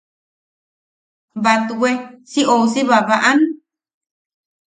¿Batwe si ousi babaʼam?